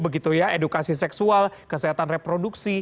edukasi seksual kesehatan reproduksi